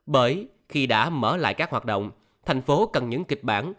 bởi khi đã mở lại các hoạt động thành phố cần những kịch bản